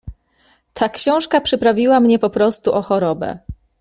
"Ta książka przyprawiła mnie poprostu o chorobę."